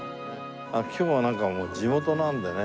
今日はなんかもう地元なんでね。